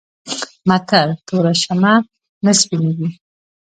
متل: توره شمه نه سپينېږي.